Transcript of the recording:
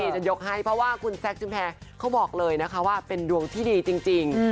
จะยกให้เพราะว่าคุณแซคชุมแพรเขาบอกเลยนะคะว่าเป็นดวงที่ดีจริง